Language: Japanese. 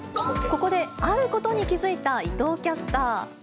ここであることに気付いた伊藤キャスター。